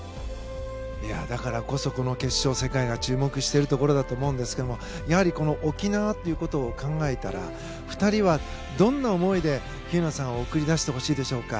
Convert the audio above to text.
だからこそ、この決勝世界が注目しているところだと思うんですが沖縄ということを考えたら２人は、どんな思いで喜友名さんを送り出してほしいでしょうか。